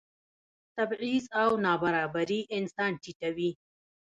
تبعیض او نابرابري انسان ټیټوي.